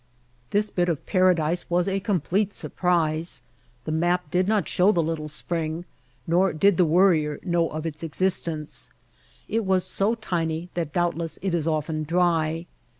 This bit of Paradise was a complete surprise. The map did not show the little spring, nor did the Worrier know of its existence. It was so tiny that doubtless it is often dry.